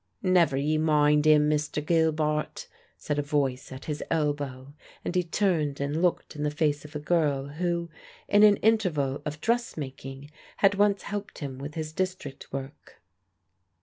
"Never you mind 'im, Mister Gilbart," said a voice at his elbow, and he turned and looked in the face of a girl who, in an interval of dressmaking, had once helped him with his district work.